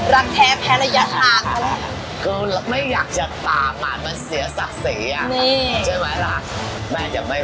รักแท้แพลธรรม